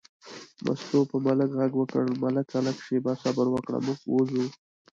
مستو په ملک غږ وکړ: ملکه لږه شېبه صبر وکړه، موږ وځو.